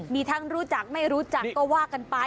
มีทั้งรู้จักไม่รู้จักก็ว่ากันไป